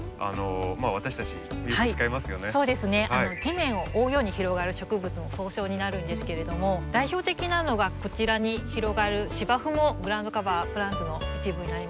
地面を覆うように広がる植物の総称になるんですけれども代表的なのがこちらに広がる芝生もグラウンドカバープランツの一部になります。